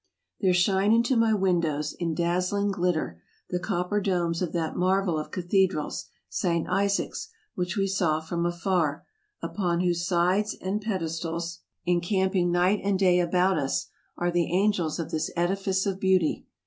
There shine into my windows, in dazzling glitter, the copper domes of that marvel of cathedrals, St. Isaac's, which we saw from afar, upon whose sides and pedestals, encamp 236 TRAVELERS AND EXPLORERS ing night and day about us, are the angels of this edifice of beauty